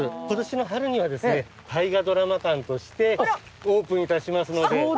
今年の春にはですね大河ドラマ館としてオープンいたしますので。